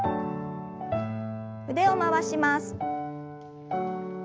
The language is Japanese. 腕を回します。